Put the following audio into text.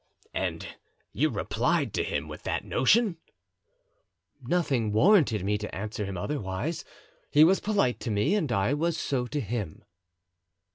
"And you replied to him with that notion?" "Nothing warranted me to answer him otherwise; he was polite to me and I was so to him."